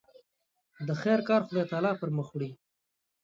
د خیر کار خدای تعالی پر مخ وړي.